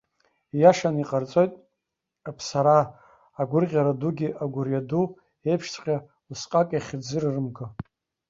Ииашаны иҟарҵоит аԥсараа, агәырӷьара дугьы, агәырҩа ду еиԥшҵәҟьа, усҟак иахьӡыррымго.